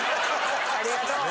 ありがとう。